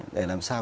để làm sao